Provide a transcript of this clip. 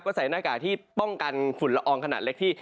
ก็ใส่หน้ากากที่ป้องกันฝุ่นละอองขนาดเล็กที่